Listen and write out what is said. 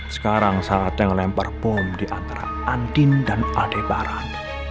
sekarang saatnya ngelempar bom di antara andin dan adebaran